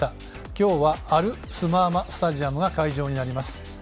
今日はアルスマーマスタジアムが会場になります。